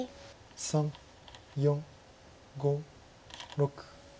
３４５６７。